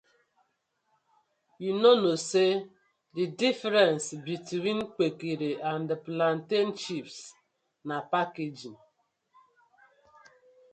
Yu no kno say di difference between Kpekere and plantain chips na packaging.